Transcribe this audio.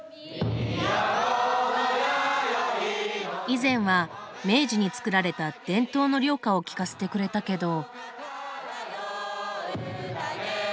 以前は明治に作られた伝統の寮歌を聞かせてくれたけど。